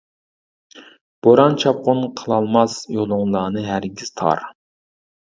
بوران چاپقۇن قىلالماس، يولۇڭلارنى ھەرگىز تار.